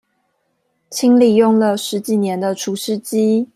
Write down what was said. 清理用了十幾年的除濕機